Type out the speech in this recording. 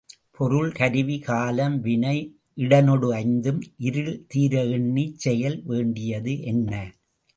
பொருள் கருவி காலம் வினை இடனொடு ஐந்தும் இருள் தீர எண்ணிச் செயல். வேண்டியது என்ன?